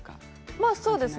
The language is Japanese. まあ、そうですね。